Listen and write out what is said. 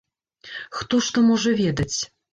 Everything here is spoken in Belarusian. Хто што можа ведаць?!